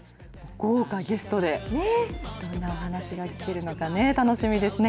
豪華ゲストで、どんなお話が聞けるのかね、楽しみですね。